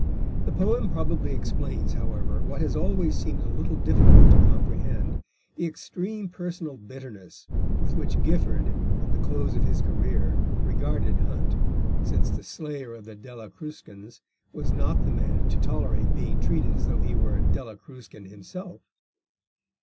The poem probably explains, however, what has always seemed a little difficult to comprehend, the extreme personal bitterness with which Gifford, at the close of his career, regarded Hunt, since the slayer of the Della Cruscans was not the man to tolerate being treated as though he were a Della Cruscan himself.